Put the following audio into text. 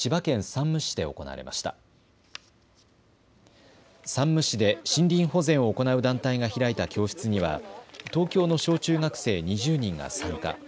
山武市で森林保全を行う団体が開いた教室には東京の小中学生２０人が参加。